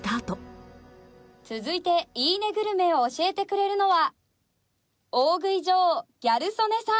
続いていいねグルメを教えてくれるのは大食い女王ギャル曽根さん。